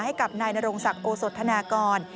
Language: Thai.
ให้กับนายนรงศักดิ์โอสธนากร